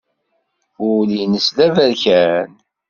Ul-nnes d aberkan.